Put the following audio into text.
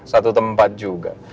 satu tempat juga